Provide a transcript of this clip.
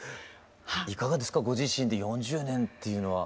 いかがですかご自身で４０年っていうのは。